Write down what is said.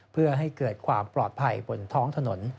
เพื่อให้เกิดความปลอดภัยบนท้องถนน